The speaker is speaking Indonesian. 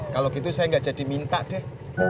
kalau gitu saya nggak jadi minta deh